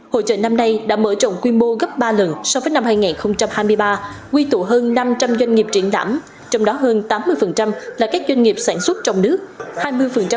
hội trợ năm nay đã mở rộng quy mô gấp ba lần so với năm hai nghìn hai mươi ba quy tụ hơn năm trăm linh doanh nghiệp triển lãm trong đó hơn tám mươi là các doanh nghiệp sản xuất trong nước